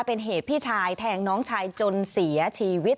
เป็นเหตุพี่ชายแทงน้องชายจนเสียชีวิต